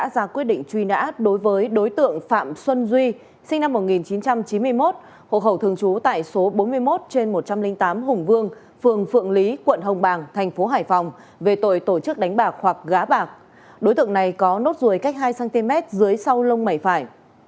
gá bạc đối tượng này có nốt ruồi cách hai cm dưới sau lông mảy phải